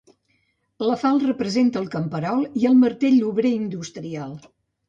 La falç representa el camperol i el martell l'obrer industrial.